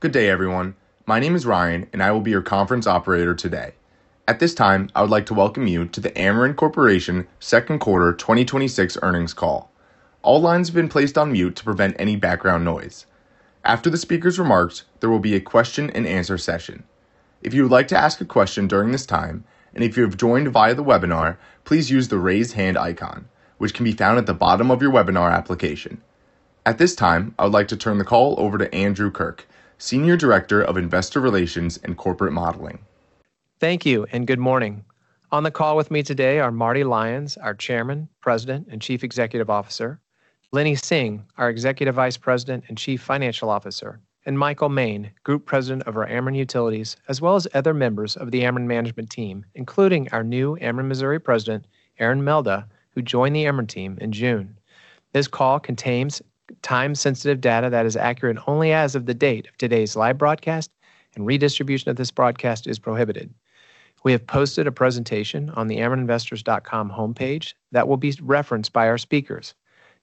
Good day, everyone. My name is Ryan, and I will be your conference operator today. At this time, I would like to welcome you to the Ameren Corporation Second Quarter 2026 Earnings Call. All lines have been placed on mute to prevent any background noise. After the speaker's remarks, there will be a question and answer session. If you would like to ask a question during this time, and if you have joined via the webinar, please use the raise hand icon, which can be found at the bottom of your webinar application. At this time, I would like to turn the call over to Andrew Kirk, Senior Director of Investor Relations and Corporate Modeling. Thank you, and good morning. On the call with me today are Marty Lyons, our Chairman, President, and Chief Executive Officer, Lenny Singh, our Executive Vice President and Chief Financial Officer, Michael Moehn, Group President of our Ameren Utilities, as well as other members of the Ameren management team, including our new Ameren Missouri President, Aaron Melda, who joined the Ameren team in June. This call contains time-sensitive data that is accurate only as of the date of today's live broadcast, and redistribution of this broadcast is prohibited. We have posted a presentation on the amereninvestors.com homepage that will be referenced by our speakers.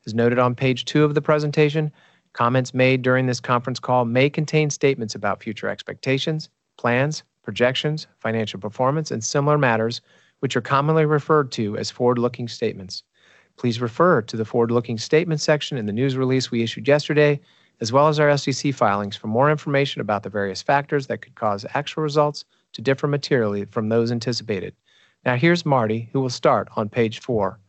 As noted on page two of the presentation, comments made during this conference call may contain statements about future expectations, plans, projections, financial performance, and similar matters, which are commonly referred to as forward-looking statements. Please refer to the forward-looking statement section in the news release we issued yesterday, as well as our SEC filings for more information about the various factors that could cause actual results to differ materially from those anticipated. Now here's Marty, who will start on page four.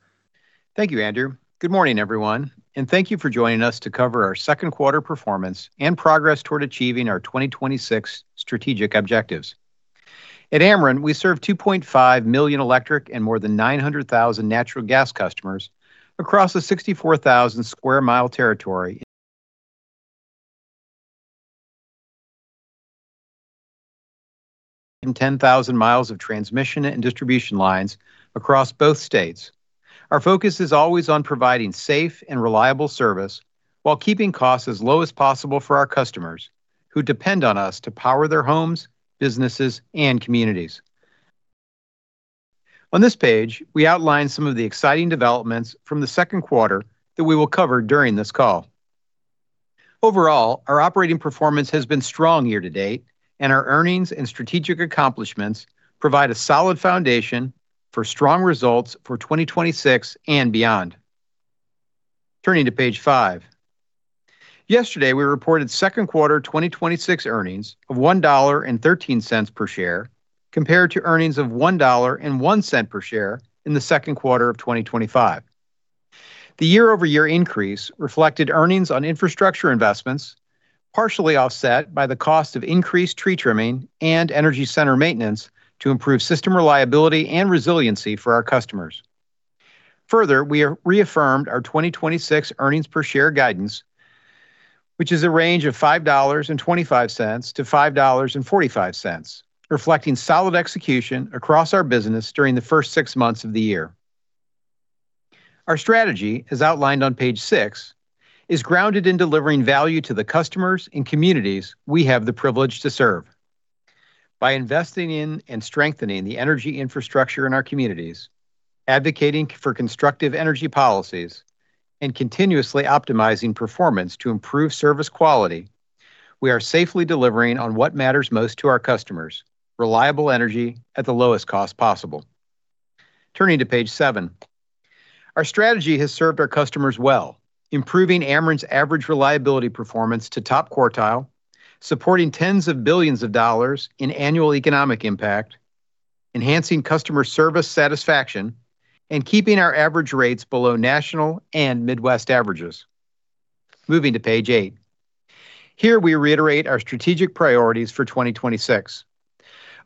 Thank you, Andrew. Good morning, everyone, and thank you for joining us to cover our second quarter performance and progress toward achieving our 2026 strategic objectives. At Ameren, we serve 2.5 million electric and more than 900,000 natural gas customers across a 64,000 sq mi territory. 10,000 mi of transmission and distribution lines across both states. Our focus is always on providing safe and reliable service while keeping costs as low as possible for our customers who depend on us to power their homes, businesses, and communities. On this page, we outline some of the exciting developments from the second quarter that we will cover during this call. Overall, our operating performance has been strong year-to-date, and our earnings and strategic accomplishments provide a solid foundation for strong results for 2026 and beyond. Turning to page five. Yesterday, we reported second quarter 2026 earnings of $1.13 per share compared to earnings of $1.01 per share in the second quarter of 2025. The year-over-year increase reflected earnings on infrastructure investments, partially offset by the cost of increased tree trimming and energy center maintenance to improve system reliability and resiliency for our customers. We reaffirmed our 2026 earnings per share guidance, which is a range of $5.25-$5.45, reflecting solid execution across our business during the first six months of the year. Our strategy, as outlined on page six, is grounded in delivering value to the customers and communities we have the privilege to serve. By investing in and strengthening the energy infrastructure in our communities, advocating for constructive energy policies, and continuously optimizing performance to improve service quality, we are safely delivering on what matters most to our customers: reliable energy at the lowest cost possible. Turning to page seven. Our strategy has served our customers well, improving Ameren's average reliability performance to top quartile, supporting tens of billions of dollars in annual economic impact, enhancing customer service satisfaction, and keeping our average rates below national and Midwest averages. Moving to page eight. Here we reiterate our strategic priorities for 2026.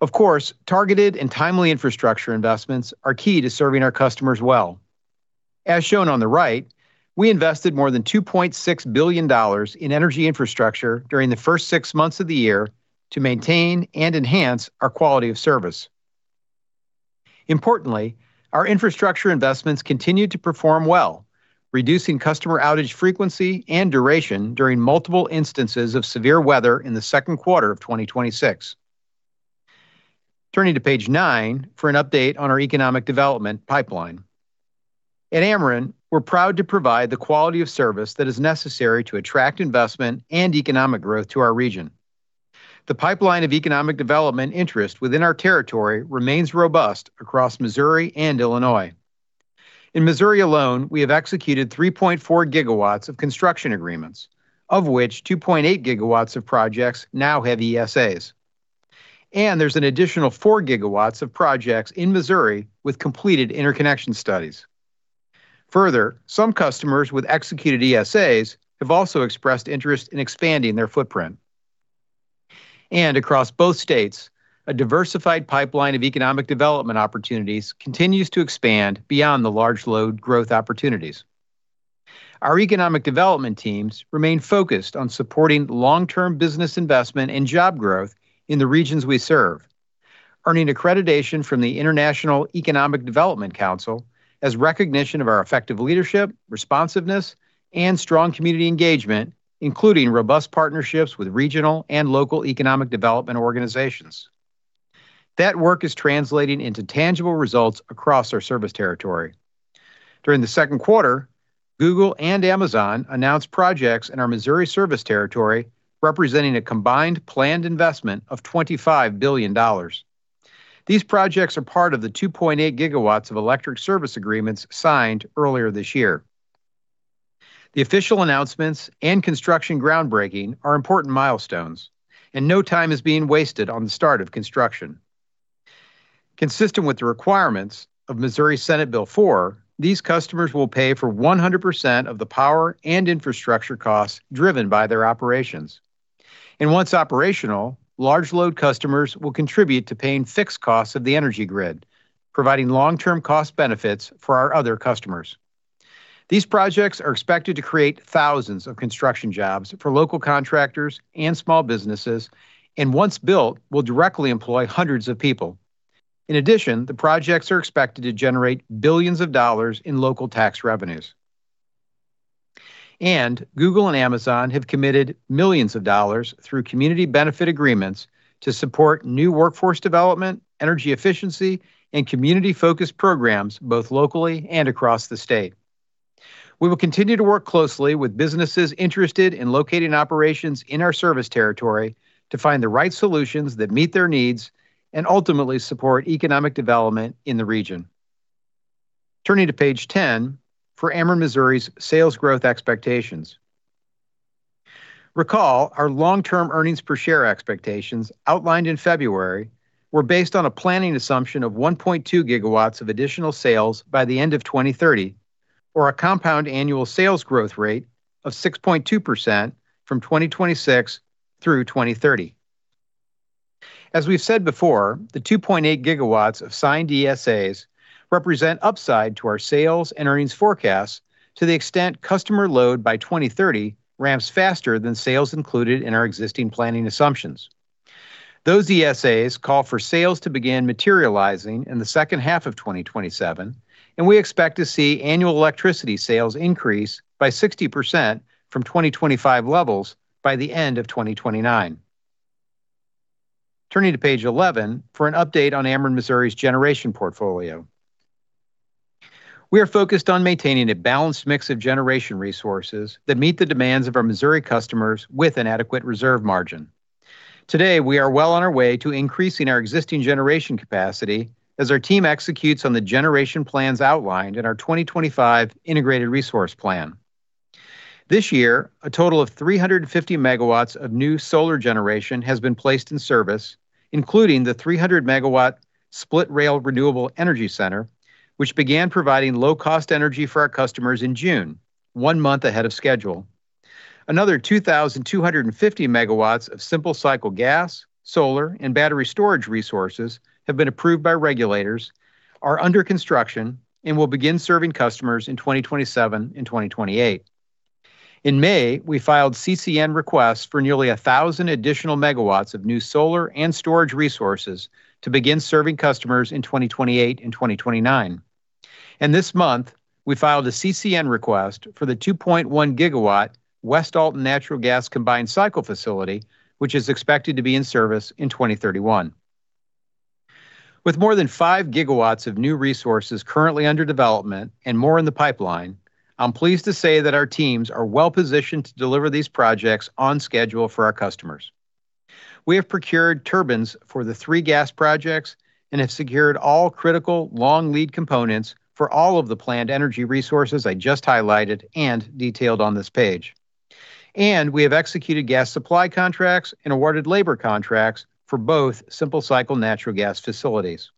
Of course, targeted and timely infrastructure investments are key to serving our customers well. As shown on the right, we invested more than $2.6 billion in energy infrastructure during the first six months of the year to maintain and enhance our quality of service. Our infrastructure investments continued to perform well, reducing customer outage frequency and duration during multiple instances of severe weather in the second quarter of 2026. Turning to page nine for an update on our economic development pipeline. At Ameren, we're proud to provide the quality of service that is necessary to attract investment and economic growth to our region. The pipeline of economic development interest within our territory remains robust across Missouri and Illinois. In Missouri alone, we have executed 3.4 GW of construction agreements, of which 2.8 GW of projects now have ESAs. There's an additional 4 GW of projects in Missouri with completed interconnection studies. Some customers with executed ESAs have also expressed interest in expanding their footprint. Across both states, a diversified pipeline of economic development opportunities continues to expand beyond the large load growth opportunities. Our economic development teams remain focused on supporting long-term business investment and job growth in the regions we serve. Earning accreditation from the International Economic Development Council as recognition of our effective leadership, responsiveness, and strong community engagement, including robust partnerships with regional and local economic development organizations. That work is translating into tangible results across our service territory. During the second quarter, Google and Amazon announced projects in our Missouri service territory representing a combined planned investment of $25 billion. These projects are part of the 2.8 GW of electric service agreements signed earlier this year. The official announcements and construction groundbreaking are important milestones. No time is being wasted on the start of construction. Consistent with the requirements of Missouri Senate Bill 4, these customers will pay for 100% of the power and infrastructure costs driven by their operations. Once operational, large load customers will contribute to paying fixed costs of the energy grid, providing long-term cost benefits for our other customers. These projects are expected to create thousands of construction jobs for local contractors and small businesses, and once built, will directly employ hundreds of people. In addition, the projects are expected to generate billions of dollars in local tax revenues. Google and Amazon have committed millions of dollars through community benefit agreements to support new workforce development, energy efficiency, and community-focused programs both locally and across the state. We will continue to work closely with businesses interested in locating operations in our service territory to find the right solutions that meet their needs and ultimately support economic development in the region. Turning to page 10 for Ameren Missouri's sales growth expectations. Recall our long-term earnings-per-share expectations outlined in February were based on a planning assumption of 1.2 GW of additional sales by the end of 2030 or a compound annual sales growth rate of 6.2% from 2026 through 2030. As we've said before, the 2.8 GW of signed ESAs represent upside to our sales and earnings forecasts to the extent customer load by 2030 ramps faster than sales included in our existing planning assumptions. Those ESAs call for sales to begin materializing in the second half of 2027, and we expect to see annual electricity sales increase by 60% from 2025 levels by the end of 2029. Turning to page 11 for an update on Ameren Missouri's generation portfolio. We are focused on maintaining a balanced mix of generation resources that meet the demands of our Missouri customers with an adequate reserve margin. Today, we are well on our way to increasing our existing generation capacity as our team executes on the generation plans outlined in our 2025 Integrated Resource Plan. This year, a total of 350 MW of new solar generation has been placed in service, including the 300 MW Split Rail Renewable Energy Center, which began providing low-cost energy for our customers in June, one month ahead of schedule. Another 2,250 MW of simple cycle gas, solar, and battery storage resources have been approved by regulators, are under construction, and will begin serving customers in 2027 and 2028. In May, we filed CCN requests for nearly 1,000 additional megawatts of new solar and storage resources to begin serving customers in 2028 and 2029. This month, we filed a CCN request for the 2.1 GW West Alton Natural Gas Combined Cycle facility, which is expected to be in service in 2031. With more than 5 GW of new resources currently under development and more in the pipeline, I'm pleased to say that our teams are well-positioned to deliver these projects on schedule for our customers. We have procured turbines for the three gas projects and have secured all critical long lead components for all of the planned energy resources I just highlighted and detailed on this page. We have executed gas supply contracts and awarded labor contracts for both simple cycle natural gas facilities.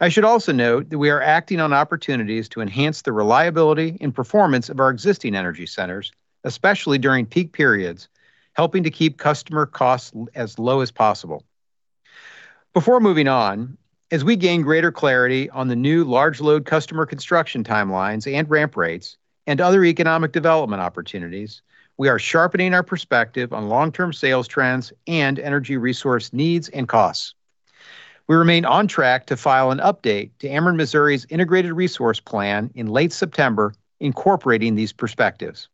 I should also note that we are acting on opportunities to enhance the reliability and performance of our existing energy centers, especially during peak periods, helping to keep customer costs as low as possible. Before moving on, as we gain greater clarity on the new large load customer construction timelines and ramp rates and other economic development opportunities, we are sharpening our perspective on long-term sales trends and energy resource needs and costs. We remain on track to file an update to Ameren Missouri's Integrated Resource Plan in late September incorporating these perspectives.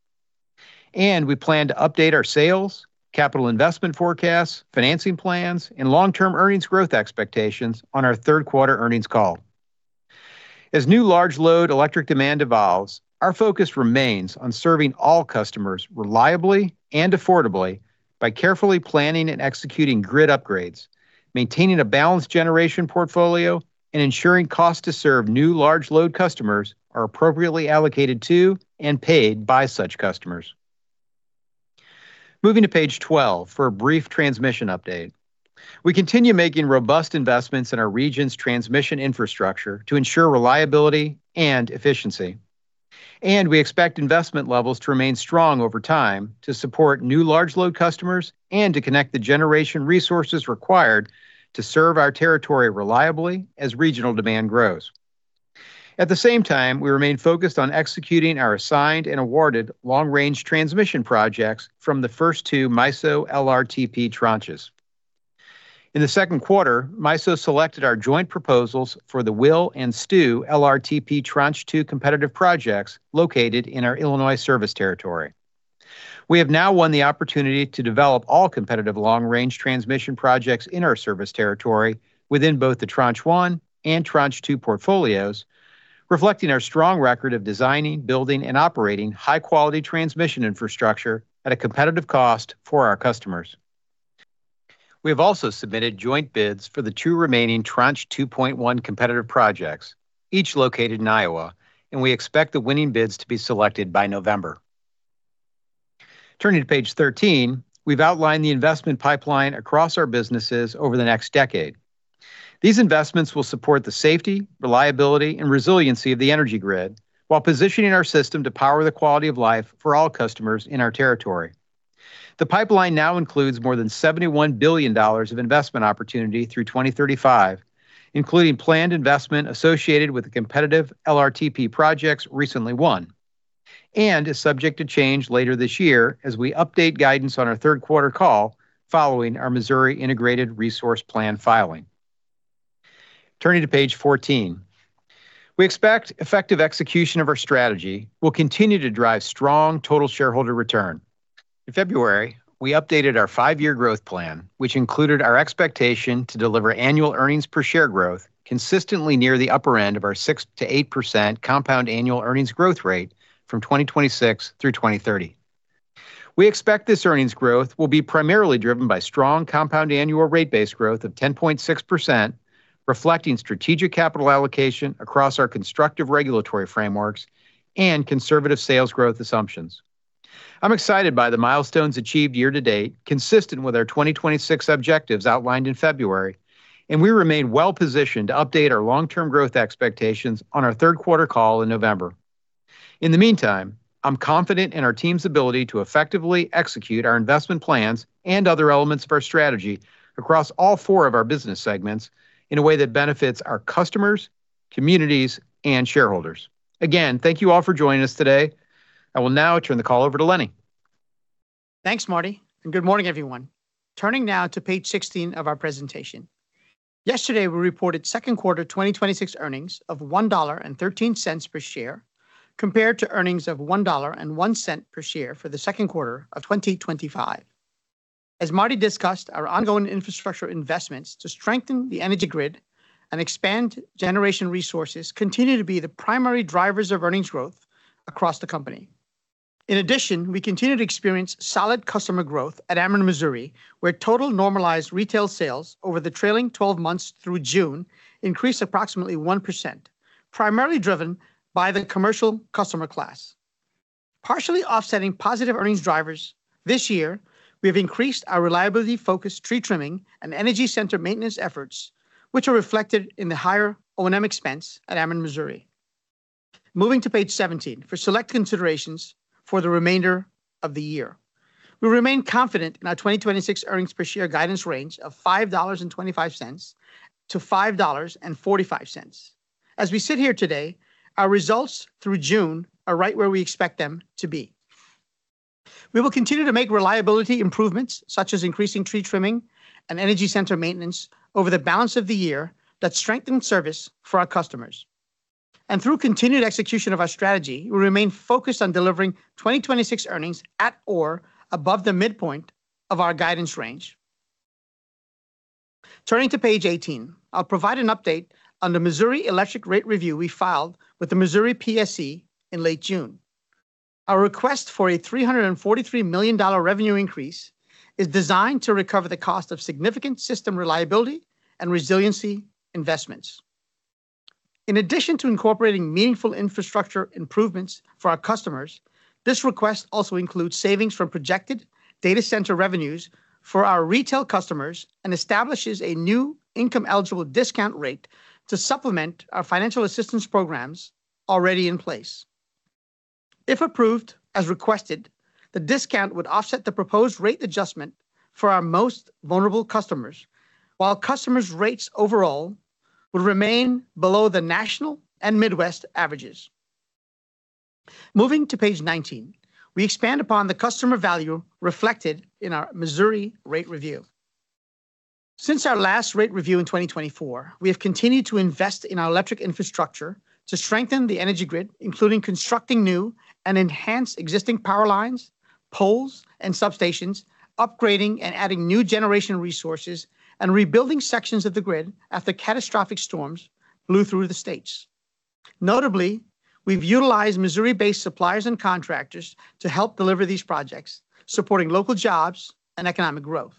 We plan to update our sales, capital investment forecasts, financing plans, and long-term earnings growth expectations on our third quarter earnings call. As new large load electric demand evolves, our focus remains on serving all customers reliably and affordably by carefully planning and executing grid upgrades, maintaining a balanced generation portfolio, and ensuring costs to serve new large load customers are appropriately allocated to and paid by such customers. Moving to page 12 for a brief transmission update. We continue making robust investments in our region's transmission infrastructure to ensure reliability and efficiency. We expect investment levels to remain strong over time to support new large load customers and to connect the generation resources required to serve our territory reliably as regional demand grows. At the same time, we remain focused on executing our assigned and awarded long-range transmission projects from the first two MISO LRTP Tranches. In the second quarter, MISO selected our joint proposals for the WIIL and STIW LRTP Tranche 2 competitive projects located in our Illinois service territory. We have now won the opportunity to develop all competitive long-range transmission projects in our service territory within both the Tranche 1 and Tranche 2 portfolios, reflecting our strong record of designing, building, and operating high-quality transmission infrastructure at a competitive cost for our customers. We have also submitted joint bids for the two remaining Tranche 2.1 competitive projects, each located in Iowa, and we expect the winning bids to be selected by November. Turning to page 13, we've outlined the investment pipeline across our businesses over the next decade. These investments will support the safety, reliability, and resiliency of the energy grid while positioning our system to power the quality of life for all customers in our territory. The pipeline now includes more than $71 billion of investment opportunity through 2035, including planned investment associated with the competitive LRTP projects recently won, and is subject to change later this year as we update guidance on our third quarter call following our Missouri Integrated Resource Plan filing. Turning to page 14, we expect effective execution of our strategy will continue to drive strong total shareholder return. In February, we updated our five-year growth plan, which included our expectation to deliver annual earnings per share growth consistently near the upper end of our 6%-8% compound annual earnings growth rate from 2026 through 2030. We expect this earnings growth will be primarily driven by strong compound annual rate base growth of 10.6%, reflecting strategic capital allocation across our constructive regulatory frameworks and conservative sales growth assumptions. I'm excited by the milestones achieved year to date, consistent with our 2026 objectives outlined in February, and we remain well-positioned to update our long-term growth expectations on our third quarter call in November. In the meantime, I'm confident in our team's ability to effectively execute our investment plans and other elements of our strategy across all four of our business segments in a way that benefits our customers, communities, and shareholders. Again, thank you all for joining us today. I will now turn the call over to Lenny. Thanks, Marty, and good morning, everyone. Turning now to page 16 of our presentation. Yesterday, we reported second quarter 2026 earnings of $1.13 per share, compared to earnings of $1.01 per share for the second quarter of 2025. As Marty discussed, our ongoing infrastructure investments to strengthen the energy grid and expand generation resources continue to be the primary drivers of earnings growth across the company. In addition, we continue to experience solid customer growth at Ameren Missouri, where total normalized retail sales over the trailing 12 months through June increased approximately 1%, primarily driven by the commercial customer class. Partially offsetting positive earnings drivers this year, we have increased our reliability-focused tree trimming and energy center maintenance efforts, which are reflected in the higher O&M expense at Ameren Missouri. Moving to page 17 for select considerations for the remainder of the year. We remain confident in our 2026 earnings per share guidance range of $5.25-$5.45. As we sit here today, our results through June are right where we expect them to be. We will continue to make reliability improvements, such as increasing tree trimming and energy center maintenance over the balance of the year, that strengthen service for our customers. Through continued execution of our strategy, we remain focused on delivering 2026 earnings at or above the midpoint of our guidance range. Turning to page 18. I'll provide an update on the Missouri electric rate review we filed with the Missouri PSC in late June. Our request for a $343 million revenue increase is designed to recover the cost of significant system reliability and resiliency investments. In addition to incorporating meaningful infrastructure improvements for our customers, this request also includes savings from projected data center revenues for our retail customers and establishes a new income-eligible discount rate to supplement our financial assistance programs already in place. If approved as requested, the discount would offset the proposed rate adjustment for our most vulnerable customers, while customers' rates overall would remain below the national and Midwest averages. Moving to page 19. We expand upon the customer value reflected in our Missouri rate review. Since our last rate review in 2024, we have continued to invest in our electric infrastructure to strengthen the energy grid, including constructing new and enhanced existing power lines, poles, and substations, upgrading and adding new generation resources, and rebuilding sections of the grid after catastrophic storms blew through the states. Notably, we've utilized Missouri-based suppliers and contractors to help deliver these projects, supporting local jobs and economic growth.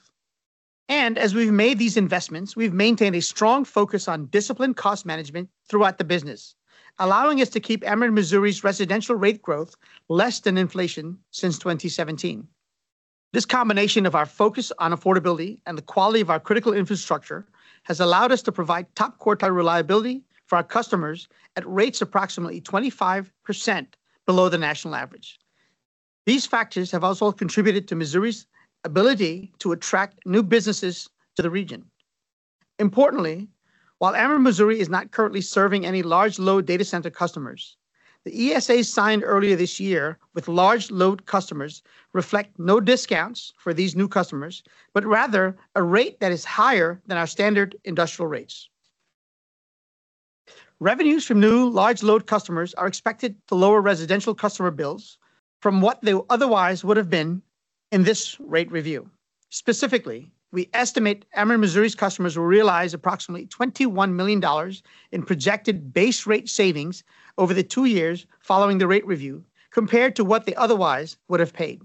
As we've made these investments, we've maintained a strong focus on disciplined cost management throughout the business, allowing us to keep Ameren Missouri's residential rate growth less than inflation since 2017. This combination of our focus on affordability and the quality of our critical infrastructure has allowed us to provide top-quartile reliability for our customers at rates approximately 25% below the national average. These factors have also contributed to Missouri's ability to attract new businesses to the region. Importantly, while Ameren Missouri is not currently serving any large load data center customers, the ESA signed earlier this year with large load customers reflect no discounts for these new customers, but rather a rate that is higher than our standard industrial rates. Revenues from new large load customers are expected to lower residential customer bills from what they otherwise would've been in this rate review. Specifically, we estimate Ameren Missouri's customers will realize approximately $21 million in projected base rate savings over the two years following the rate review, compared to what they otherwise would've paid.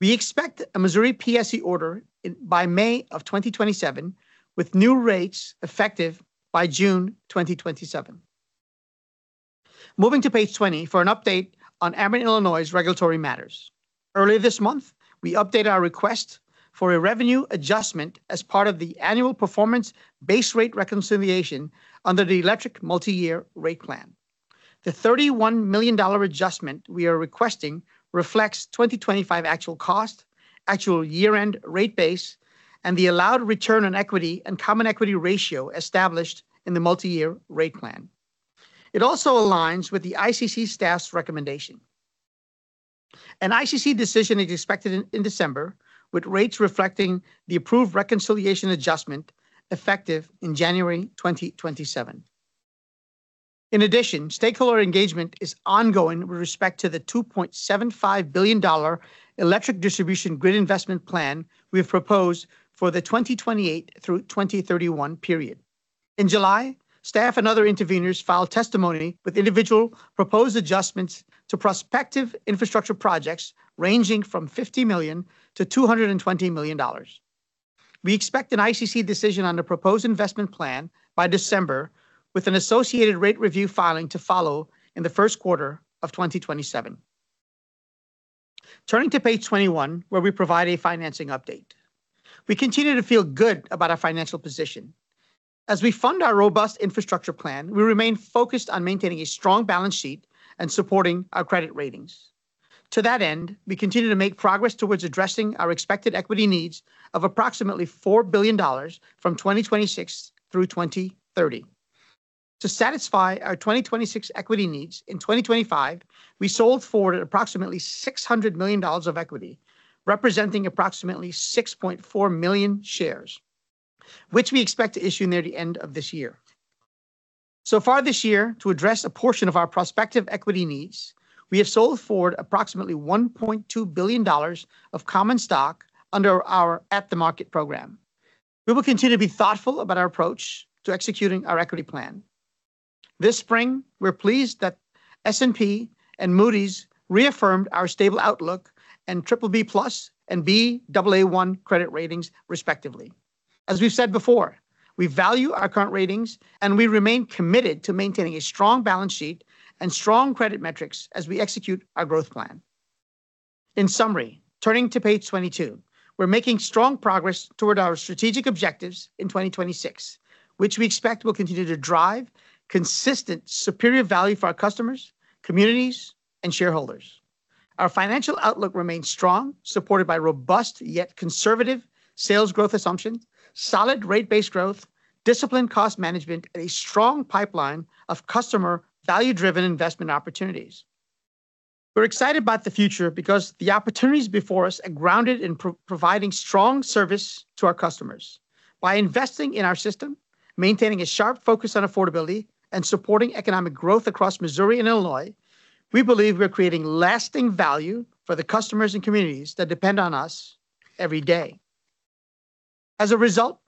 We expect an Missouri PSC order by May of 2027, with new rates effective by June 2027. Moving to page 20 for an update on Ameren Illinois' regulatory matters. Earlier this month, we updated our request for a revenue adjustment as part of the annual performance base rate reconciliation under the electric multi-year rate plan. The $31 million adjustment we are requesting reflects 2025 actual cost, actual year-end rate base, and the allowed ROE and common equity ratio established in the multi-year rate plan. It also aligns with the ICC staff's recommendation. An ICC decision is expected in December, with rates reflecting the approved reconciliation adjustment effective in January 2027. Stakeholder engagement is ongoing with respect to the $2.75 billion electric distribution grid investment plan we have proposed for the 2028 through 2031 period. In July, staff and other interveners filed testimony with individual proposed adjustments to prospective infrastructure projects ranging from $50 million-$220 million. We expect an ICC decision on the proposed investment plan by December, with an associated rate review filing to follow in the first quarter of 2027. Turning to page 21, where we provide a financing update. We continue to feel good about our financial position. As we fund our robust infrastructure plan, we remain focused on maintaining a strong balance sheet and supporting our credit ratings. To that end, we continue to make progress towards addressing our expected equity needs of approximately $4 billion from 2026 through 2030. To satisfy our 2026 equity needs, in 2025, we sold forward approximately $600 million of equity, representing approximately 6.4 million shares, which we expect to issue near the end of this year. So far this year, to address a portion of our prospective equity needs, we have sold forward approximately $1.2 billion of common stock under our at the market program. We will continue to be thoughtful about our approach to executing our equity plan. This spring, we're pleased that S&P and Moody's reaffirmed our stable outlook and BBB+ and Baa1 credit ratings respectively. We've said before, we value our current ratings, and we remain committed to maintaining a strong balance sheet and strong credit metrics as we execute our growth plan. In summary, turning to page 22, we are making strong progress toward our strategic objectives in 2026, which we expect will continue to drive consistent superior value for our customers, communities, and shareholders. Our financial outlook remains strong, supported by robust yet conservative sales growth assumption, solid rate base growth, disciplined cost management, and a strong pipeline of customer value-driven investment opportunities. We are excited about the future because the opportunities before us are grounded in providing strong service to our customers. By investing in our system, maintaining a sharp focus on affordability, and supporting economic growth across Missouri and Illinois, we believe we are creating lasting value for the customers and communities that depend on us every day. As a result,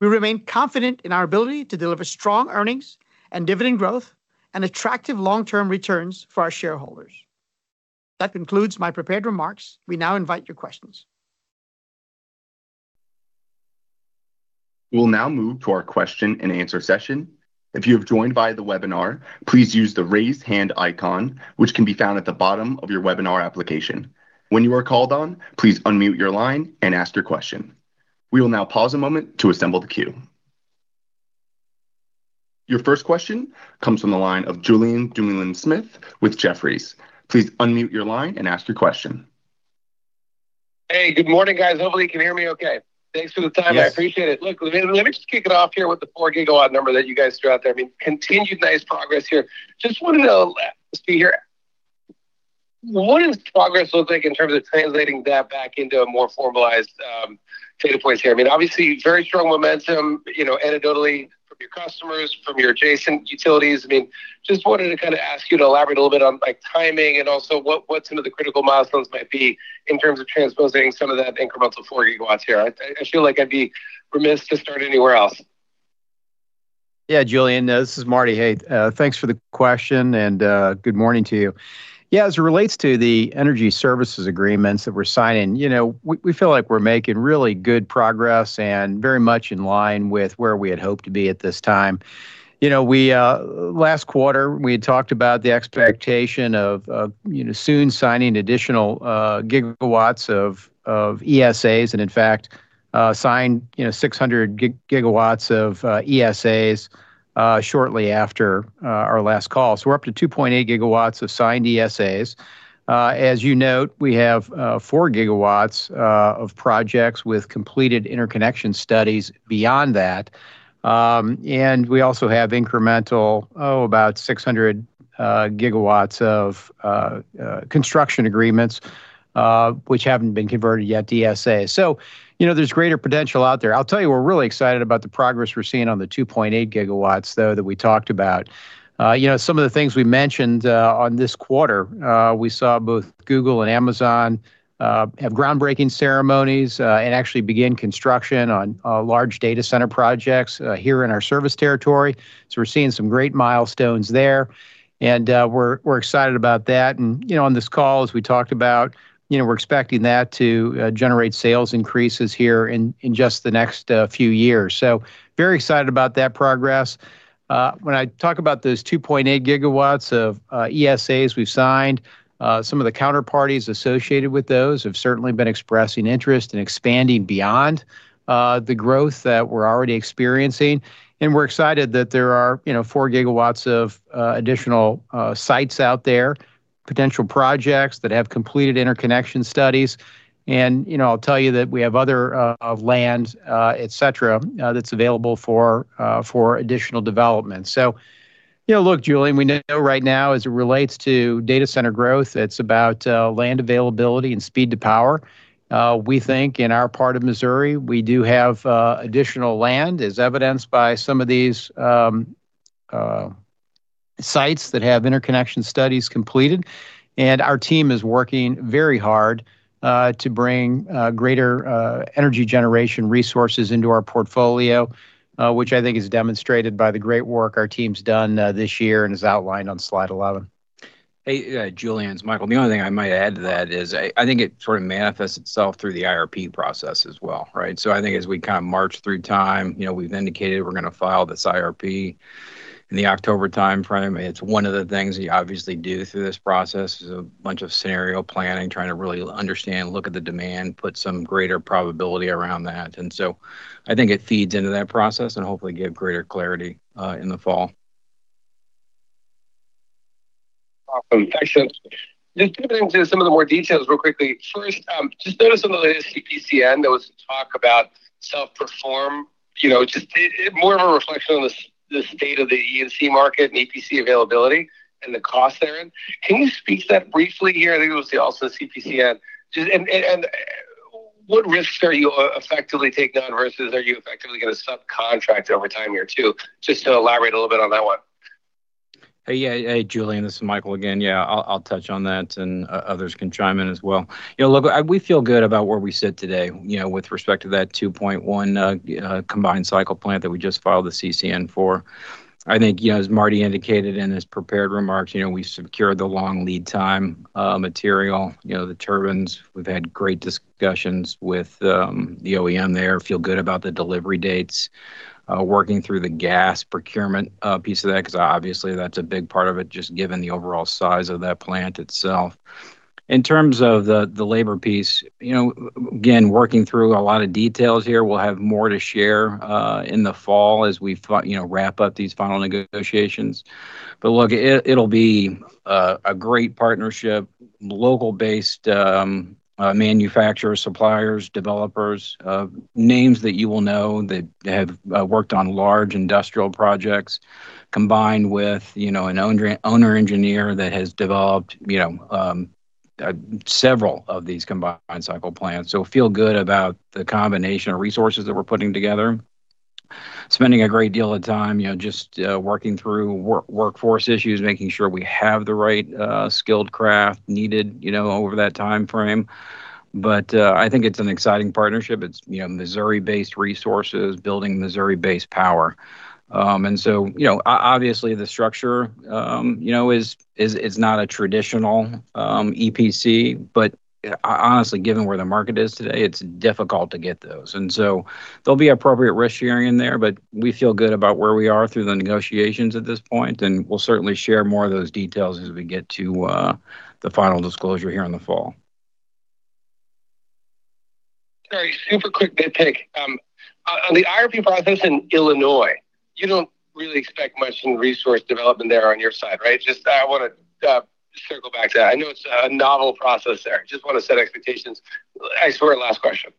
we remain confident in our ability to deliver strong earnings and dividend growth and attractive long-term returns for our shareholders. That concludes my prepared remarks. We now invite your questions. We'll now move to our question and answer session. If you have joined via the webinar, please use the raise hand icon, which can be found at the bottom of your webinar application. When you are called on, please unmute your line and ask your question. We will now pause a moment to assemble the queue. Your first question comes from the line of Julien Dumoulin-Smith with Jefferies. Please unmute your line and ask your question. Hey, good morning, guys. Hopefully, you can hear me okay. Thanks for the time. Yes. I appreciate it. Let me just kick it off here with the 4 GW number that you guys threw out there. Continued nice progress here. Just want to know, see, what does progress look like in terms of translating that back into a more formalized data points here? Obviously, very strong momentum anecdotally from your customers, from your adjacent utilities. Just wanted to ask you to elaborate a little bit on timing and also what some of the critical milestones might be in terms of transposing some of that incremental 4 GW here. I feel like I'd be remiss to start anywhere else. Julien. This is Marty. Thanks for the question and good morning to you. As it relates to the Energy Service Agreements that we're signing, we feel like we're making really good progress and very much in line with where we had hoped to be at this time. Last quarter, we had talked about the expectation of soon signing additional gigawatts of ESAs, and in fact, signed 600 GW of ESAs shortly after our last call. So we're up to 2.8 GW of signed ESAs. As you note, we have 4 GW of projects with completed interconnection studies beyond that. We also have incremental, about 600 GW of construction agreements Which haven't been converted yet to ESAs. There's greater potential out there. I'll tell you, we're really excited about the progress we're seeing on the 2.8 GW, though, that we talked about. Some of the things we mentioned on this quarter, we saw both Google and Amazon have groundbreaking ceremonies and actually begin construction on large data center projects here in our service territory. We're seeing some great milestones there, and we're excited about that. On this call, as we talked about, we're expecting that to generate sales increases here in just the next few years. Very excited about that progress. When I talk about those 2.8 GW of ESAs we've signed, some of the counterparties associated with those have certainly been expressing interest in expanding beyond the growth that we're already experiencing. We're excited that there are 4 GW of additional sites out there, potential projects that have completed interconnection studies. I'll tell you that we have other of land, et cetera, that's available for additional development. Look, Julien, we know right now as it relates to data center growth, it's about land availability and speed to power. We think in our part of Missouri, we do have additional land, as evidenced by some of these sites that have interconnection studies completed. Our team is working very hard to bring greater energy generation resources into our portfolio, which I think is demonstrated by the great work our team's done this year and is outlined on slide 11. Julien, it's Michael. The only thing I might add to that is I think it sort of manifests itself through the IRP process as well, right? I think as we kind of march through time, we've indicated we're going to file this IRP in the October timeframe. It's one of the things you obviously do through this process, is a bunch of scenario planning, trying to really understand, look at the demand, put some greater probability around that. I think it feeds into that process and hopefully give greater clarity in the fall. Awesome. Thanks. Just getting into some of the more details real quickly. First, just noticed on the latest CCN, there was talk about self-perform, just more of a reflection on the state of the E&C market and EPC availability and the cost therein. Can you speak to that briefly here? I think it was also CCN. What risks are you effectively taking on versus are you effectively going to subcontract over time here, too? Just to elaborate a little bit on that one. Hey, Julien, this is Michael again. Yeah, I'll touch on that, and others can chime in as well. Look, we feel good about where we sit today with respect to that 2.1 combined cycle plant that we just filed the CCN for. I think, as Marty indicated in his prepared remarks, we've secured the long lead time material, the turbines. We've had great discussions with the OEM there, feel good about the delivery dates. Working through the gas procurement piece of that, because obviously, that's a big part of it, just given the overall size of that plant itself. In terms of the labor piece, again, working through a lot of details here. We'll have more to share in the fall as we wrap up these final negotiations. Look, it'll be a great partnership. Local-based manufacturer, suppliers, developers, names that you will know that have worked on large industrial projects, combined with an owner engineer that has developed several of these combined cycle plants. Feel good about the combination of resources that we're putting together. Spending a great deal of time just working through workforce issues, making sure we have the right skilled craft needed over that timeframe. I think it's an exciting partnership. It's Missouri-based resources building Missouri-based power. Obviously, the structure is not a traditional EPC, but honestly, given where the market is today, it's difficult to get those. There'll be appropriate risk sharing there, but we feel good about where we are through the negotiations at this point, and we'll certainly share more of those details as we get to the final disclosure here in the fall. Sorry, super quick nitpick. On the IRP process in Illinois, you don't really expect much in resource development there on your side, right? I want to circle back to that. I know it's a novel process there. Want to set expectations. I swear, last question.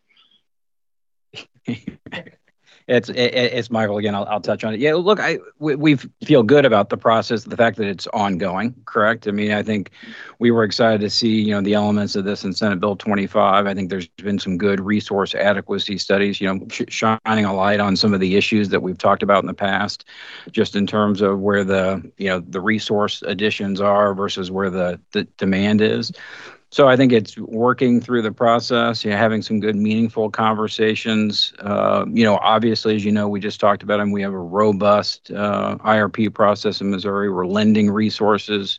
It's Michael again. I'll touch on it. Yeah, look, we feel good about the process, the fact that it's ongoing, correct. I think we were excited to see the elements of this in Senate Bill 25. I think there's been some good resource adequacy studies shining a light on some of the issues that we've talked about in the past, just in terms of where the resource additions are versus where the demand is. I think it's working through the process, having some good, meaningful conversations. Obviously, as you know, we just talked about them, we have a robust IRP process in Missouri. We're lending resources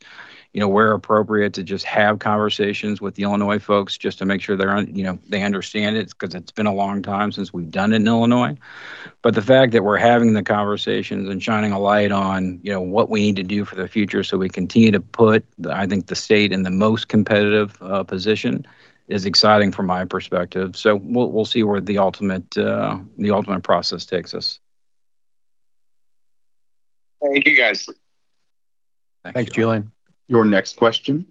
where appropriate to just have conversations with the Illinois folks, just to make sure they understand it, because it's been a long time since we've done it in Illinois. The fact that we're having the conversations and shining a light on what we need to do for the future so we continue to put, I think, the state in the most competitive position is exciting from my perspective. We'll see where the ultimate process takes us. Thank you, guys. Thank you. Thanks, Julien. Your next question.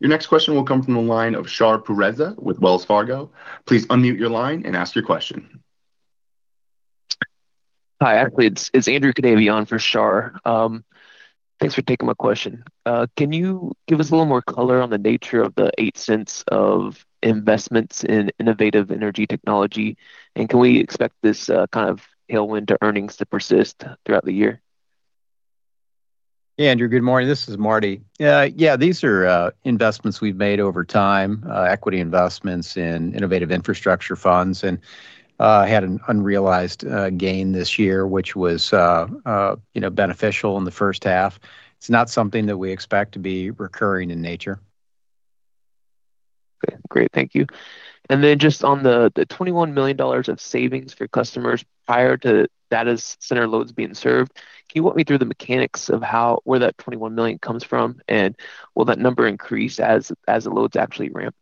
Your next question will come from the line of Shar Pourreza with Wells Fargo. Please unmute your line and ask your question. Hi, actually it's Andrew Kadavy on for Shar. Thanks for taking my question. Can you give us a little more color on the nature of the $0.08 of investments in innovative energy technology? Can we expect this kind of tailwind to earnings to persist throughout the year? Hey, Andrew. Good morning. This is Marty. Yeah, these are investments we've made over time, equity investments in innovative infrastructure funds. Had an unrealized gain this year, which was beneficial in the first half. It's not something that we expect to be recurring in nature. Okay, great. Thank you. Just on the $21 million of savings for customers prior to data center loads being served, can you walk me through the mechanics of where that $21 million comes from? Will that number increase as the loads actually ramp?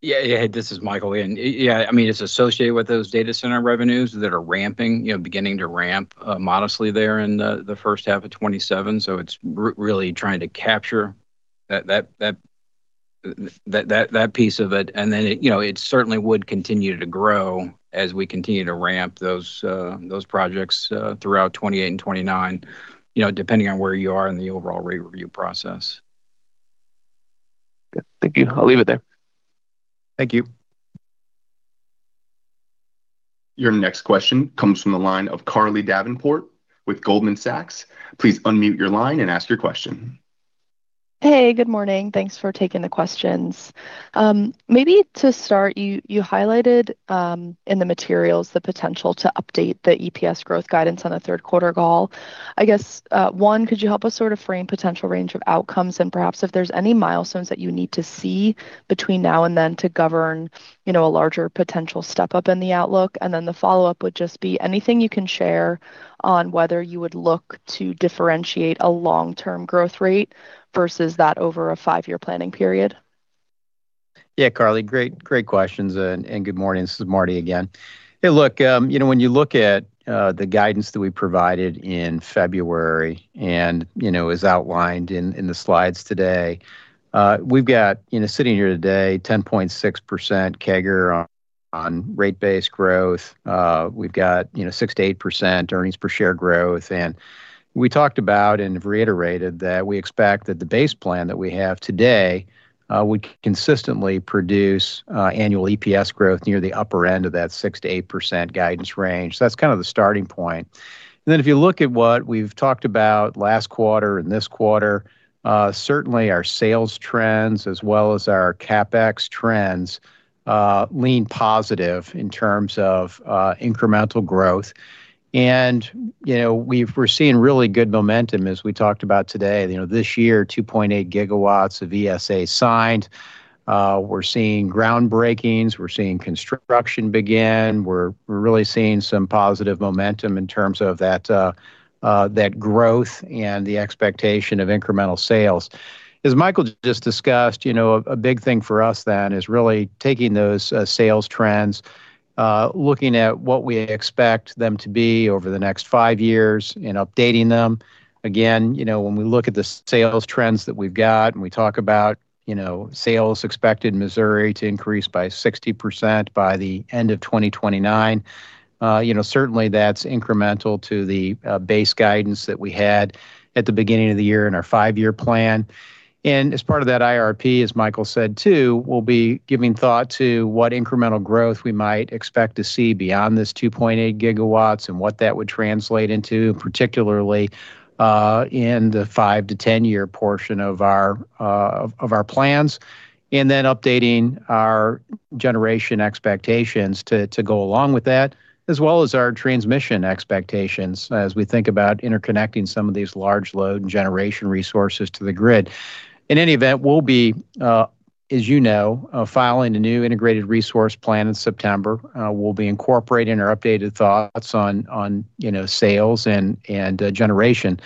Yeah. This is Michael again. It's associated with those data center revenues that are beginning to ramp modestly there in the first half of 2027. It's really trying to capture that piece of it, and then it certainly would continue to grow as we continue to ramp those projects throughout 2028 and 2029, depending on where you are in the overall rate review process. Good. Thank you. I'll leave it there. Thank you. Your next question comes from the line of Carly Davenport with Goldman Sachs. Please unmute your line and ask your question. Hey, good morning. Thanks for taking the questions. Maybe to start, you highlighted, in the materials, the potential to update the EPS growth guidance on the third quarter call. I guess, one, could you help us sort of frame potential range of outcomes and perhaps if there's any milestones that you need to see between now and then to govern a larger potential step-up in the outlook? Then the follow-up would just be anything you can share on whether you would look to differentiate a long-term growth rate versus that over a five-year planning period? Yeah, Carly. Great questions and good morning. This is Marty again. Hey, look, when you look at the guidance that we provided in February and as outlined in the slides today, we've got, sitting here today, 10.6% CAGR on rate base growth. We've got 6%-8% earnings per share growth. We talked about and have reiterated that we expect that the base plan that we have today would consistently produce annual EPS growth near the upper end of that 6%-8% guidance range. That's kind of the starting point. Then if you look at what we've talked about last quarter and this quarter, certainly our sales trends as well as our CapEx trends lean positive in terms of incremental growth. We're seeing really good momentum as we talked about today. This year, 2.8 GW of ESA signed. We're seeing groundbreakings. We're seeing construction begin. We're really seeing some positive momentum in terms of that growth and the expectation of incremental sales. As Michael just discussed, a big thing for us then is really taking those sales trends, looking at what we expect them to be over the next five years and updating them. Again, when we look at the sales trends that we've got and we talk about sales expected in Missouri to increase by 60% by the end of 2029, certainly that's incremental to the base guidance that we had at the beginning of the year in our five-year plan. As part of that IRP, as Michael said, too, we'll be giving thought to what incremental growth we might expect to see beyond this 2.8 GW and what that would translate into, particularly in the five to 10 year portion of our plans. Updating our generation expectations to go along with that, as well as our transmission expectations as we think about interconnecting some of these large load and generation resources to the grid. In any event, we'll be, as you know, filing a new Integrated Resource Plan in September. We'll be incorporating our updated thoughts on sales and generation.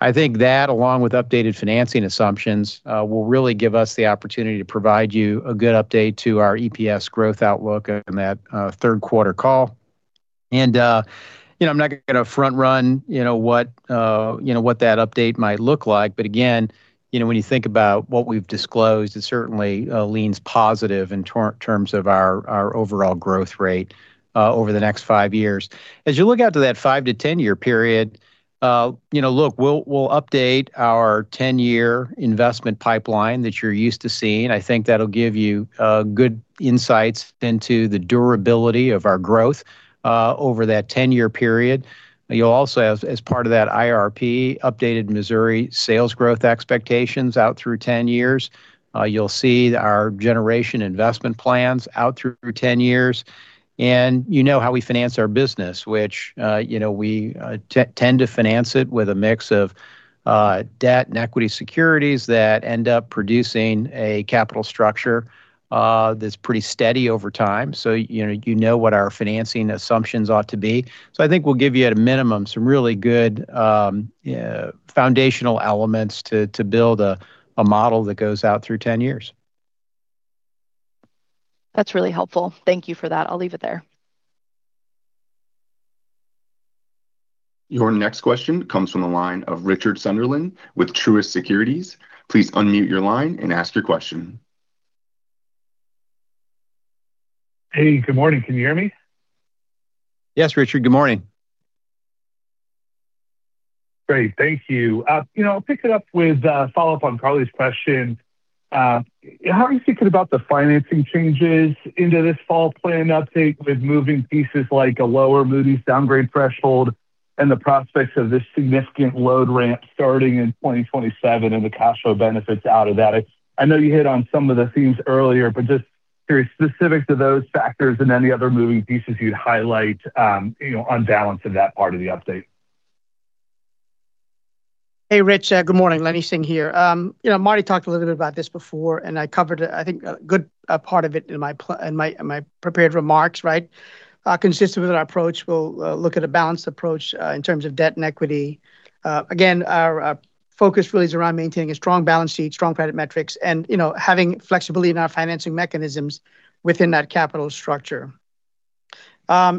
I think that, along with updated financing assumptions, will really give us the opportunity to provide you a good update to our EPS growth outlook in that third quarter call. I'm not going to front run what that update might look like. Again, when you think about what we've disclosed, it certainly leans positive in terms of our overall growth rate over the next five years. As you look out to that five to 10 year period, look, we'll update our 10-year investment pipeline that you're used to seeing. That'll give you good insights into the durability of our growth over that 10-year period. You'll also, as part of that IRP, updated Missouri sales growth expectations out through 10 years. You'll see our generation investment plans out through 10 years. You know how we finance our business, which we tend to finance it with a mix of debt and equity securities that end up producing a capital structure that's pretty steady over time. You know what our financing assumptions ought to be. I think we'll give you, at a minimum, some really good foundational elements to build a model that goes out through 10 years. That's really helpful. Thank you for that. I'll leave it there. Your next question comes from the line of Richard Sunderland with Truist Securities. Please unmute your line and ask your question. Hey, good morning. Can you hear me? Yes, Richard. Good morning. Great. Thank you. I'll pick it up with a follow-up on Carly's question. How are you thinking about the financing changes into this fall plan update with moving pieces like a lower Moody's downgrade threshold and the prospects of this significant load ramp starting in 2027 and the cash flow benefits out of that? I know you hit on some of the themes earlier, but just curious, specific to those factors and any other moving pieces you'd highlight on balance of that part of the update. Hey, Rich. Good morning. Lenny Singh here. Marty talked a little bit about this before, and I covered, I think, a good part of it in my prepared remarks. Consistent with our approach, we'll look at a balanced approach in terms of debt and equity. Again, our focus really is around maintaining a strong balance sheet, strong credit metrics, and having flexibility in our financing mechanisms within that capital structure.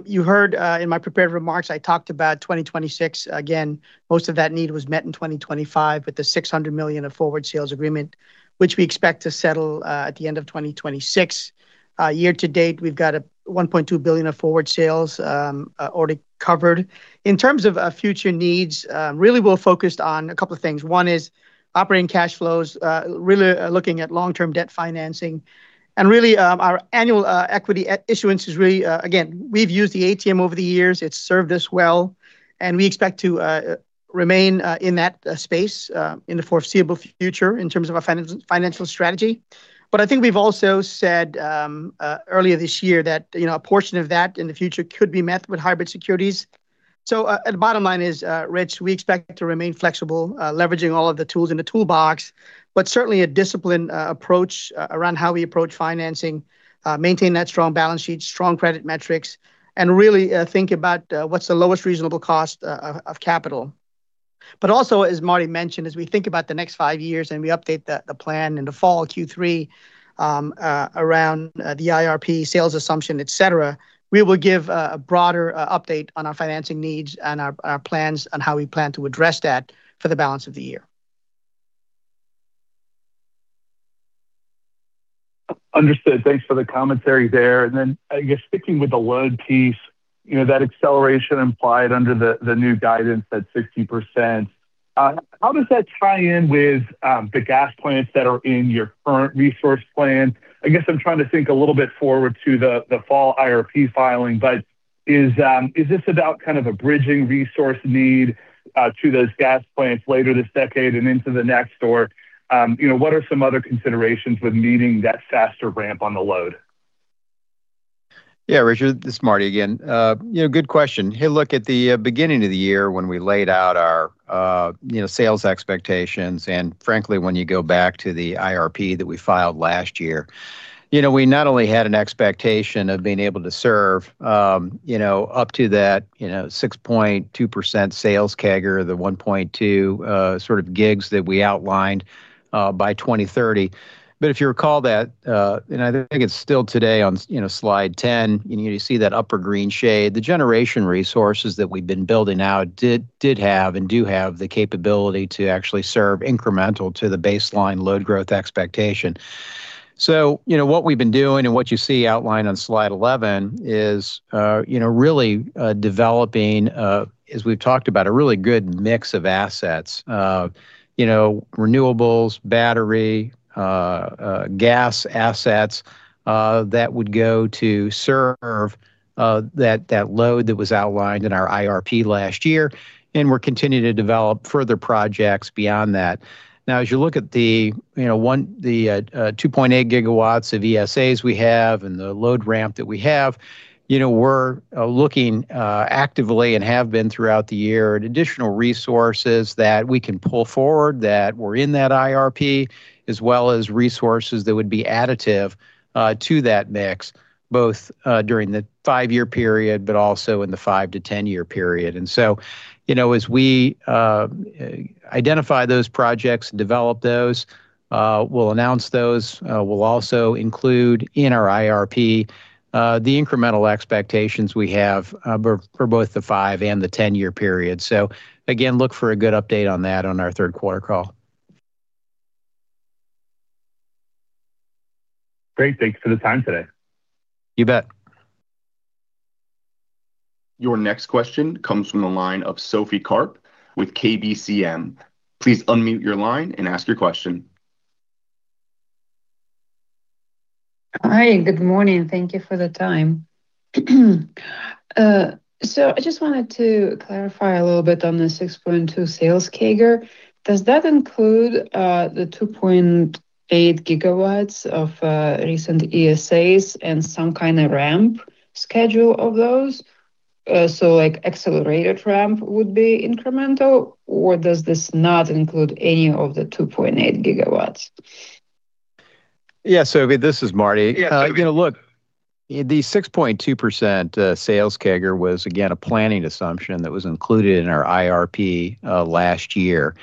You heard in my prepared remarks, I talked about 2026. Again, most of that need was met in 2025 with the $600 million of forward sales agreement, which we expect to settle at the end of 2026. Year to date, we've got a $1.2 billion of forward sales already covered. In terms of future needs, really we're focused on a couple of things. One is operating cash flows, really looking at long-term debt financing. Really, our annual equity issuance is really, again, we've used the ATM over the years. It's served us well, and we expect to remain in that space in the foreseeable future in terms of our financial strategy. I think we've also said earlier this year that a portion of that in the future could be met with hybrid securities. The bottom line is, Rich, we expect to remain flexible, leveraging all of the tools in the toolbox, but certainly a disciplined approach around how we approach financing, maintain that strong balance sheet, strong credit metrics, and really think about what's the lowest reasonable cost of capital. Also, as Marty mentioned, as we think about the next five years and we update the plan in the fall, Q3, around the IRP sales assumption, et cetera, we will give a broader update on our financing needs and our plans on how we plan to address that for the balance of the year. Understood. Thanks for the commentary there. Then, sticking with the load piece, that acceleration implied under the new guidance at 60%. How does that tie in with the gas plants that are in your current resource plan? I guess I'm trying to think a little bit forward to the fall IRP filing. Is this about kind of a bridging resource need to those gas plants later this decade and into the next? What are some other considerations with meeting that faster ramp on the load? Yeah, Richard. This is Marty again. Good question. Hey, look, at the beginning of the year when we laid out our sales expectations, frankly, when you go back to the IRP that we filed last year, we not only had an expectation of being able to serve up to that 6.2% sales CAGR, the 1.2 sort of gigs that we outlined by 2030. If you recall that, and I think it's still today on slide 10, you see that upper green shade. The generation resources that we've been building out did have and do have the capability to actually serve incremental to the baseline load growth expectation. What we've been doing, and what you see outlined on slide 11 is really developing, as we've talked about, a really good mix of assets. Renewables, battery, gas assets that would go to serve that load that was outlined in our IRP last year, and we're continuing to develop further projects beyond that. Now, as you look at the 2.8 GW of ESAs we have and the load ramp that we have, we're looking actively and have been throughout the year at additional resources that we can pull forward that were in that IRP, as well as resources that would be additive to that mix, both during the five-year period but also in the five to 10-year period. As we identify those projects, develop those, we'll announce those. We'll also include in our IRP the incremental expectations we have for both the five and the 10-year period. Again, look for a good update on that on our third quarter call. Great. Thanks for the time today. You bet. Your next question comes from the line of Sophie Karp with KBCM. Please unmute your line and ask your question. Hi. Good morning. Thank you for the time. I just wanted to clarify a little bit on the 6.2% sales CAGR. Does that include the 2.8 GW of recent ESAs and some kind of ramp schedule of those? Accelerated ramp would be incremental, or does this not include any of the 2.8 GW? Yeah, Sophie, this is Marty. The 6.2% sales CAGR was, again, a planning assumption that was included in our IRP last year.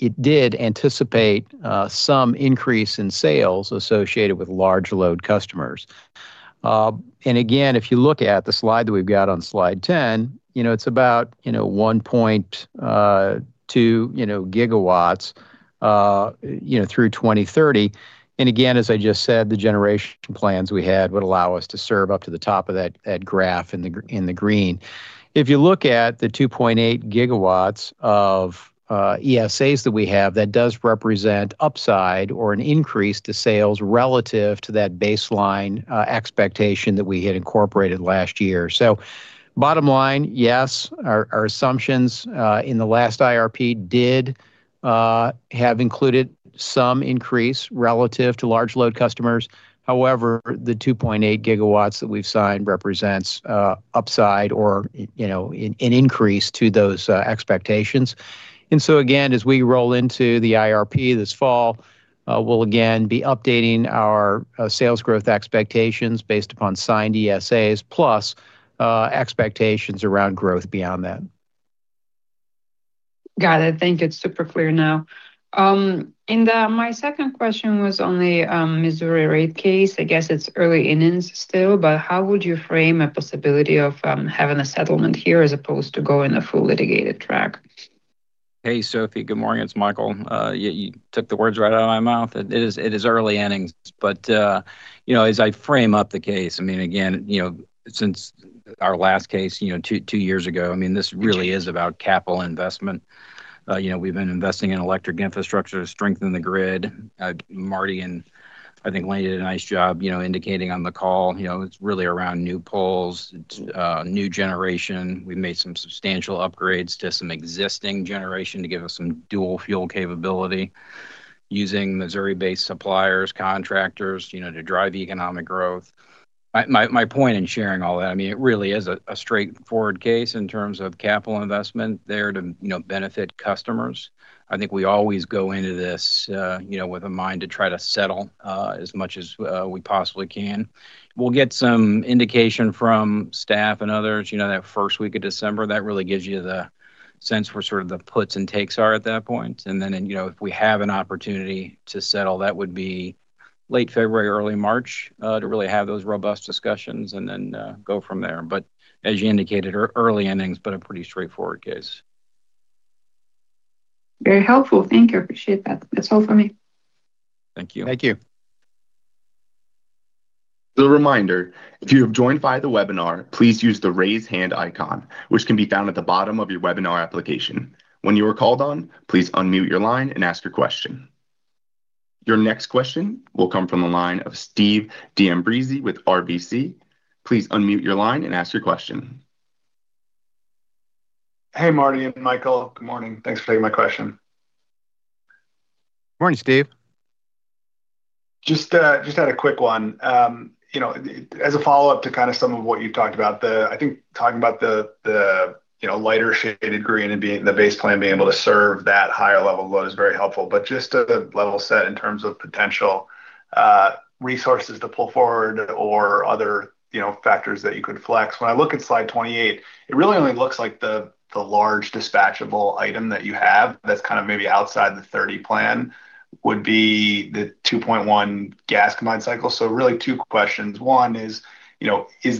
It did anticipate some increase in sales associated with large load customers. Again, if you look at the slide that we've got on slide 10, it's about 1.2 GW through 2030. Again, as I just said, the generation plans we had would allow us to serve up to the top of that graph in the green. If you look at the 2.8 GW of ESAs that we have, that does represent upside or an increase to sales relative to that baseline expectation that we had incorporated last year. Bottom line, yes, our assumptions in the last IRP did have included some increase relative to large load customers. However, the 2.8 GW that we've signed represents upside or an increase to those expectations. Again, as we roll into the IRP this fall, we'll again be updating our sales growth expectations based upon signed ESAs, plus expectations around growth beyond that. Got it. Thank you. It's super clear now. My second question was on the Missouri rate case. I guess it's early innings still, but how would you frame a possibility of having a settlement here as opposed to going the full litigated track? Hey, Sophie. Good morning. It's Michael. You took the words right out of my mouth. It is early innings, but as I frame up the case, again, since our last case two years ago, this really is about capital investment. We've been investing in electric infrastructure to strengthen the grid. Marty and I think Lenny did a nice job indicating on the call, it's really around new poles, new generation. We've made some substantial upgrades to some existing generation to give us some dual-fuel capability using Missouri-based suppliers, contractors to drive economic growth. My point in sharing all that, it really is a straightforward case in terms of capital investment there to benefit customers. I think we always go into this with a mind to try to settle as much as we possibly can. We'll get some indication from staff and others that first week of December. That really gives you the sense where sort of the puts and takes are at that point. Then if we have an opportunity to settle, that would be late February, early March to really have those robust discussions and then go from there. As you indicated, early innings, but a pretty straightforward case. Very helpful. Thank you. Appreciate that. That's all for me. Thank you. Thank you. A reminder, if you have joined via the webinar, please use the raise hand icon, which can be found at the bottom of your webinar application. When you are called on, please unmute your line and ask your question. Your next question will come from the line of Steve D'Ambrisi with RBC. Please unmute your line and ask your question. Hey, Marty and Michael. Good morning. Thanks for taking my question. Morning, Steve. Just had a quick one. As a follow-up to some of what you've talked about, I think talking about the lighter shaded green and the base plan being able to serve that higher level load is very helpful. Just to level set in terms of potential resources to pull forward or other factors that you could flex. When I look at slide 28, it really only looks like the large dispatchable item that you have that's maybe outside the 2030 plan would be the 2.1 gas combined cycle. Really two questions. One is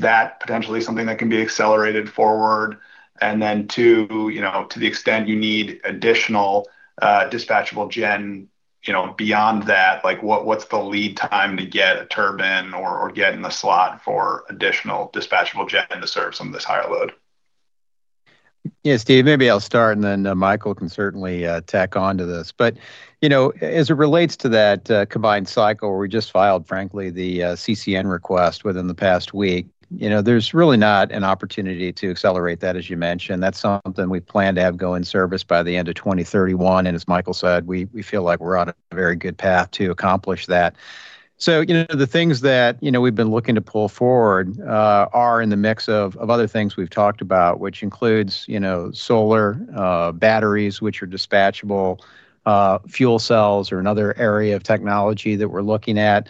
that potentially something that can be accelerated forward? Two, to the extent you need additional dispatchable gen beyond that, what's the lead time to get a turbine or get in the slot for additional dispatchable gen to serve some of this higher load? Steve, maybe I'll start. Michael can certainly tack onto this. As it relates to that combined cycle, we just filed, frankly, the CCN request within the past week. There's really not an opportunity to accelerate that, as you mentioned. That's something we plan to have go in service by the end of 2031. As Michael said, we feel like we're on a very good path to accomplish that. The things that we've been looking to pull forward are in the mix of other things we've talked about, which includes solar batteries, which are dispatchable. Fuel cells are another area of technology that we're looking at.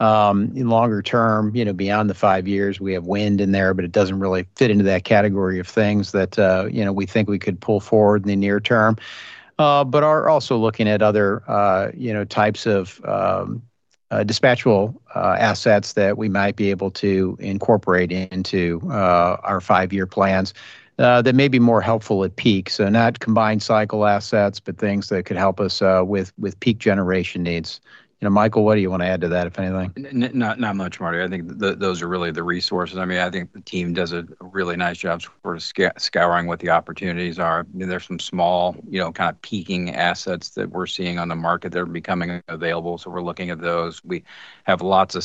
In longer term, beyond the five years, we have wind in there, but it doesn't really fit into that category of things that we think we could pull forward in the near term. Are also looking at other types of dispatchable assets that we might be able to incorporate into our five-year plans that may be more helpful at peak. Not combined cycle assets, but things that could help us with peak generation needs. Michael, what do you want to add to that, if anything? Not much, Marty. I think those are really the resources. I think the team does a really nice job sort of scouring what the opportunities are. There's some small peaking assets that we're seeing on the market that are becoming available. We're looking at those. We have lots of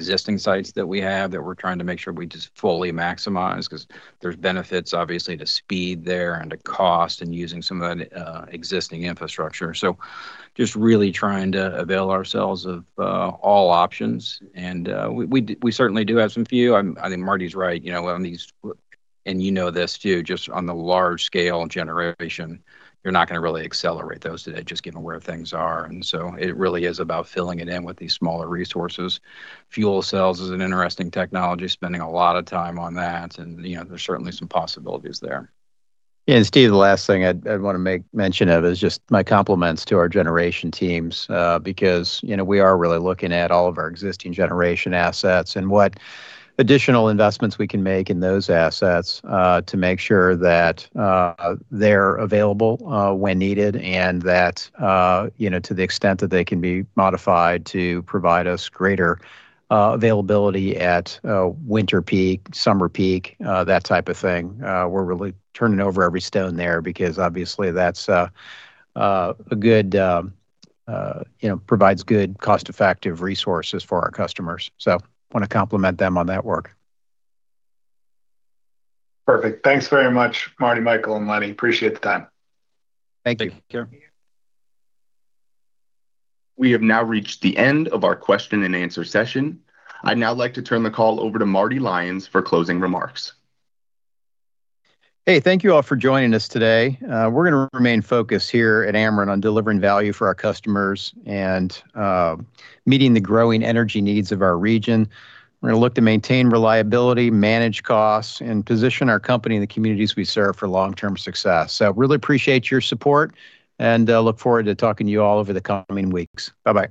existing sites that we have that we're trying to make sure we just fully maximize because there's benefits obviously to speed there and to cost and using some of that existing infrastructure. Just really trying to avail ourselves of all options. We certainly do have some few. I think Marty's right on these, and you know this too, just on the large scale generation, you're not going to really accelerate those today just given where things are. It really is about filling it in with these smaller resources. Fuel cells is an interesting technology, spending a lot of time on that, there's certainly some possibilities there. Yeah. Steve, the last thing I'd want to make mention of is just my compliments to our generation teams because we are really looking at all of our existing generation assets and what additional investments we can make in those assets to make sure that they're available when needed and that to the extent that they can be modified to provide us greater availability at winter peak, summer peak, that type of thing. We're really turning over every stone there because obviously that provides good cost-effective resources for our customers. Want to compliment them on that work. Perfect. Thanks very much, Marty, Michael, and Lenny. Appreciate the time. Thank you. Thank you. We have now reached the end of our question and answer session. I'd now like to turn the call over to Marty Lyons for closing remarks. Hey, thank you all for joining us today. We're going to remain focused here at Ameren on delivering value for our customers and meeting the growing energy needs of our region. We're going to look to maintain reliability, manage costs, and position our company in the communities we serve for long-term success. Really appreciate your support and look forward to talking to you all over the coming weeks. Bye-bye.